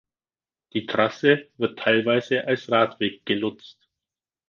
Die Trasse wird teilweise als Radweg genutzt.